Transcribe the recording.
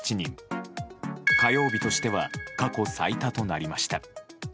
火曜日としては過去最多となりました。